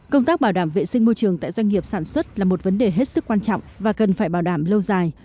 công tác bảo đảm vệ sinh môi trường tại doanh nghiệp sản xuất là một vấn đề hết sức quan trọng và cần phải bảo đảm lâu dài